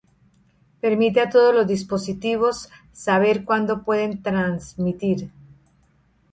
Permite a todos los dispositivos saber cuándo pueden transmitir.